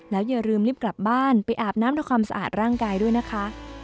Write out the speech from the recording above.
อย่าลืมรีบกลับบ้านไปอาบน้ำทำความสะอาดร่างกายด้วยนะคะ